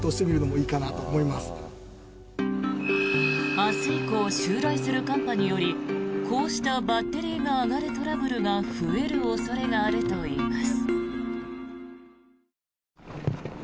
明日以降、襲来する寒波によりこうしたバッテリーが上がるトラブルが増える恐れがあるといいます。